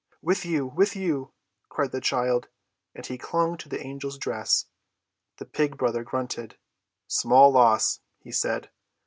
"With you, with you!" cried the child; and he clung to the Angel's dress. The Pig Brother grunted. "Small loss!" he said.